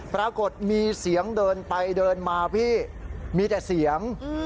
ปรากฏมีเสียงเดินไปเดินมาพี่มีแต่เสียง